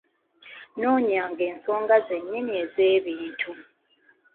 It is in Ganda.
Noonyanga ensonga zennyini ez'ebintu.